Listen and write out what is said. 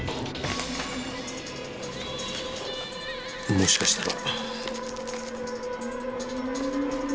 もしかしたら。